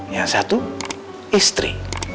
yang satu istri